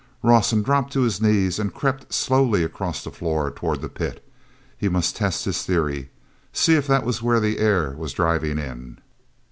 Rawson dropped to his knees and crept slowly across the floor toward the pit. He must test his theory—see if that was where the air was driving in.